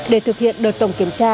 để thực hiện đợt tổng kiểm tra